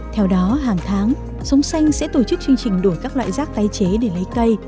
theo đó hàng tháng sống xanh sẽ tổ chức chương trình đổi các loại rác tái chế để lấy cây